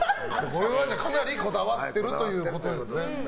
かなりこだわってるということですね。